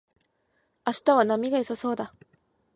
明日は波が良さそうだ